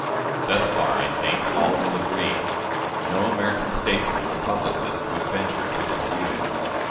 Thus far, I think, all will agree. No American statesman or publicist would venture to dispute it.